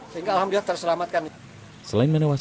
sehingga alhamdulillah terselamatkan